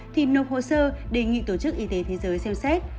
thì nộp hồ sơ đề nghị tổ chức y tế thế giới xem xét